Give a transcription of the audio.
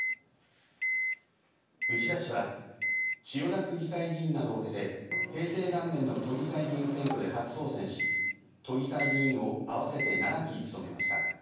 内田氏は千代田区議会議員などを経て平成元年の都議会議員選挙で初当選し都議会議員を合わせて７期、務めました。